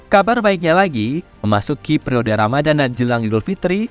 kabar baiknya lagi memasuki periode ramadan dan jelang idul fitri